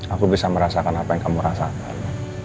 aku bisa merasakan apa yang kamu rasakan